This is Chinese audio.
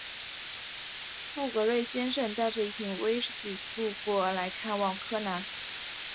富格瑞先生带着一瓶威士忌过来看望柯南。